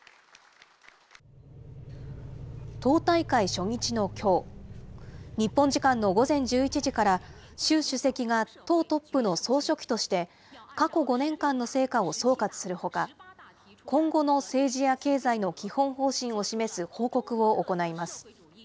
党大会初日のきょう、日本時間の午前１１時から、習主席が党トップの総書記として、過去５年間の成果を総括するほか、今後の政治や経済の基本方針を示す報告を行います。